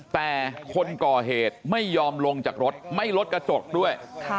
แต่คนก่อเหตุไม่ยอมลงจากรถไม่ลดกระจกด้วย